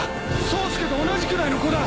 宗介と同じくらいの子だ！